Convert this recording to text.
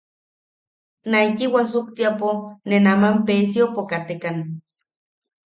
Naiki wasuktiapo ne naman Peesiopo katekan.